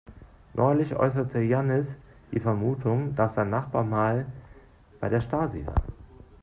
Neulich äußerte Jannis die Vermutung, dass sein Nachbar mal bei der Stasi war.